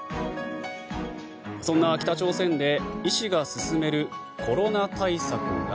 そんな北朝鮮で医師が勧めるコロナ対策が。